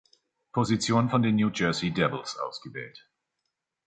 Position von den New Jersey Devils ausgewählt.